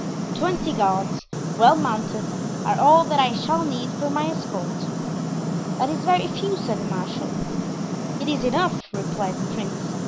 Twenty guards, well mounted, are all that I shall need for my escort." "That is very few," said the marshal. "It is enough," replied the prince.